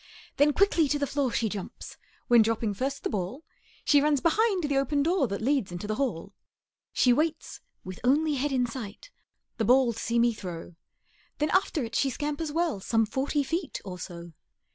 Then quickly to the floor she jumps; When, dropping first the ball, She runs behind the open door That leads into the hall. She waits, with only head in sight, The ball to see me throw; Then after it she scampers well Some forty feet or so.